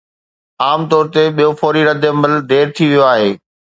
عام طور تي ٻيو فوري رد عمل دير ٿي ويو آهي.